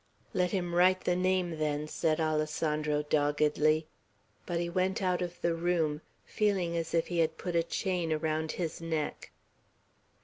"Let him write the name, then," said Alessandro, doggedly; but he went out of the room feeling as if he had put a chain around his neck.